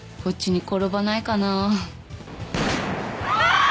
こっちに転ばないかなぁ。